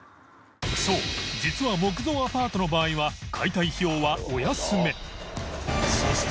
磴修実は木造アパートの場合は解体費用はお安め磴修靴